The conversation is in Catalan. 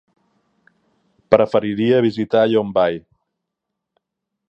Preferiria visitar Llombai.